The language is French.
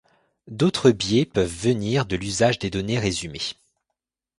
D'autres biais peuvent venir de l'usage des données résumées.